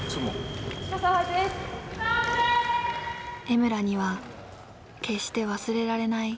江村には決して忘れられない